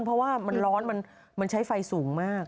เพราะว่ามันร้อนมันใช้ไฟสูงมาก